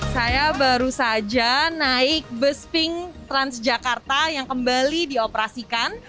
saya baru saja naik bus pink transjakarta yang kembali dioperasikan